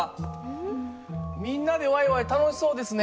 みんなでわいわい楽しそうですね。